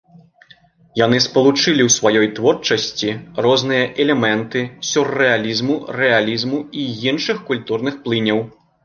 Яны спалучылі ў сваёй творчасці розныя элементы сюррэалізму, рэалізму і іншых культурных плыняў.